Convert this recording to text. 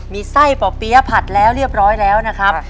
มีไส้ป่อเปี๊ยะผัดแล้วเรียบร้อยแล้วนะครับ